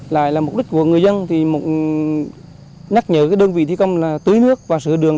lại là mục đích của người dân thì nhắc nhở cái đơn vị thi công là tưới nước và sửa đường